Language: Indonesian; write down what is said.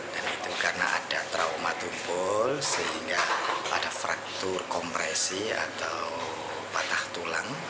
dan itu karena ada trauma tumpul sehingga ada fraktur kompresi atau patah tulang